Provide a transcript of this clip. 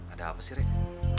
ada apa sih rere